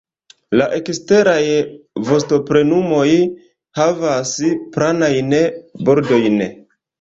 La eksteraj vostoplumoj havas palajn bordojn.